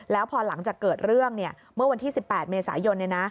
แล้วพอหลังจากเกิดเรื่องเนี่ยเมื่อวันที่๑๘เมษายนเนี่ยนะ